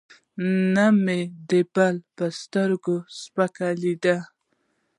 نه مو د بل په سترګو سپک لېدلی.